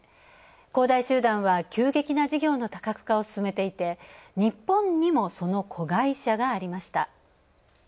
恒大集団は急激な事業の多角化を進めていて日本にもその子会社がありました。